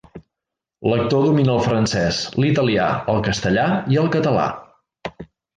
L'actor domina el francès, l'italià, el castellà i el català.